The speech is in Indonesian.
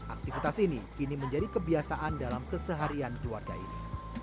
aktivitas ini kini menjadi kebiasaan dalam keseharian keluarga ini